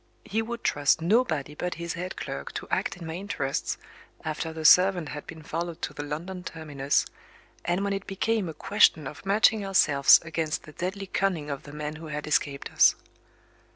He would trust nobody but his head clerk to act in my interests, after the servant had been followed to the London terminus, and when it became a question of matching ourselves against the deadly cunning of the man who had escaped us.